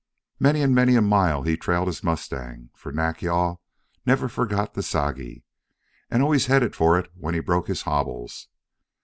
Many and many a mile he trailed his mustang, for Nack yal never forgot the Sagi, and always headed for it when he broke his hobbles.